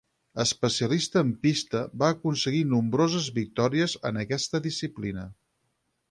Especialista en pista, va aconseguir nombroses victòries en aquesta disciplina.